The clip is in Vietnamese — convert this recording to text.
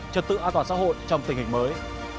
trật tự an toàn xã hội trong tình hình mới